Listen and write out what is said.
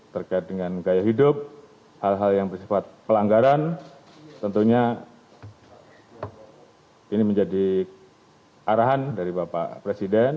terkait dengan gaya hidup hal hal yang bersifat pelanggaran tentunya ini menjadi arahan dari bapak presiden